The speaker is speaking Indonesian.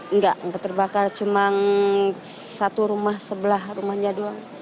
enggak enggak terbakar cuma satu rumah sebelah rumahnya doang